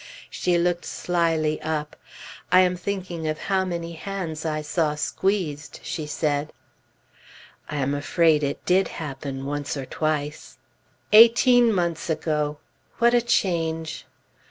She looked slyly up: "I am thinking of how many hands I saw squeezed," she said. I am afraid it did happen, once or twice. Eighteen months ago! What a change!